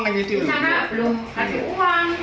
kenapa belum kasih uang